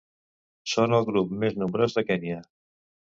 Són el grup més nombrós de Kenya.